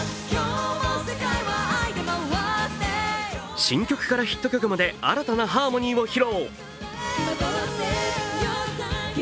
新曲からヒット曲まで新たなハーモニーを披露。